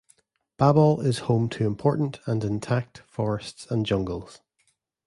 Babol is home to important and intact forests and jungles.